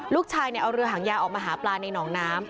ลูกชายเอาเรือหางยาวออกมาหาปลาในหนองน้ำ